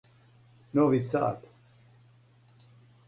Нови Сад